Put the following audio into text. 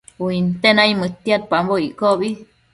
Uinte naimëdtiadpambo iccobi